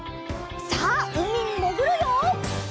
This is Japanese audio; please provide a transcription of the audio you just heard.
さあうみにもぐるよ！